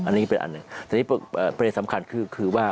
อันนี้เป็นอันนึงแต่นี่เป็นเรื่องสำคัญคือว่า